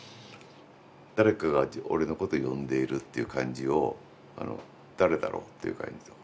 誰かが俺のこと呼んでいるっていう感じを誰だろうっていう感じというか。